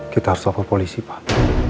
kita harus lapor polisi pak